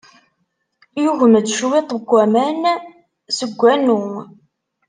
Yugem-d cwiṭ n waman seg wanu.